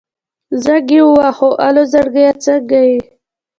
زنګ يې ووهه الو زړګيه څنګه يې.